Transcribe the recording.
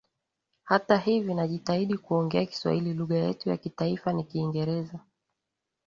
hata hivi najitahidi kuongea kiswahili lugha yetu ya kitaifa ni kiingereza